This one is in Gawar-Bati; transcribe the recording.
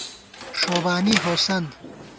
ݭوبانی ہوسند